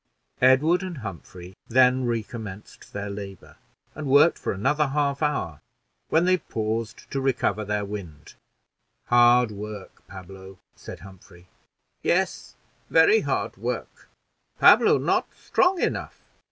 Edward and Humphrey then recommenced their labor, and worked for another half hour, when they paused to recover their wind. "Hard work, Pablo," said Humphrey. "Yes, very hard work; Pablo not strong enough."